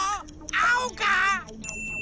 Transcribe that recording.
あおか？